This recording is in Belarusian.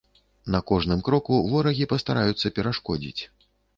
На кожным кроку ворагі пастараюцца перашкодзіць.